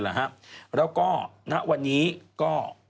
แล้วก็ณวันนี้ก็